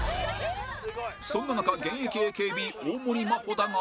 そんな中現役 ＡＫＢ 大盛真歩だが